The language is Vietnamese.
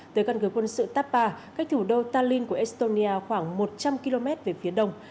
tới căn cứ quân sự tapa cách thủ đô talin của estonia khoảng một trăm linh km về phía đông